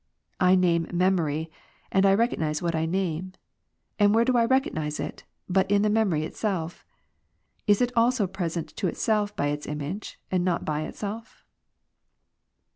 I name memory, and I recognize what I name. And where do I recognize it, but in the memory itself ? Is it also present to itself by its image, and not by itself?